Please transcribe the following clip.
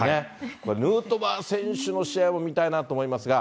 これ、ヌートバー選手の試合も見たいなと思いますが。